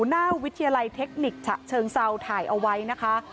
หน้าวิทยาลัยเทคนิคฉะเชิงเซาถ่ายเอาไว้นะคะ